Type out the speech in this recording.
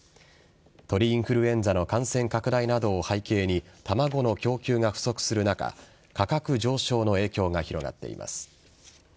鳥インフルエンザの感染拡大などを背景に卵の供給が不足する中価格上昇の影響が広がっています。